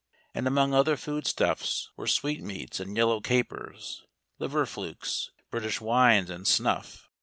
And among other food stuffs were sweetmeats and yellow capers, liver flukes, British wines, and snuff.